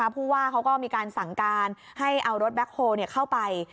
ผู้ว่าเขาก็มีการสั่งการให้เอารถแบ็คโฮลเข้าไป